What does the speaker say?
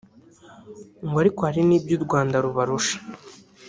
ariko ngo hari n’ibyo u Rwanda rubarusha